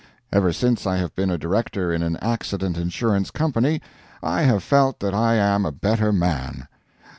Ever since I have been a director in an accident insurance company I have felt that I am a better man.